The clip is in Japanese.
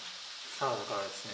サラダからですね